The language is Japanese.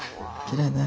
きれいね。